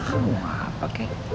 ang mau apa kek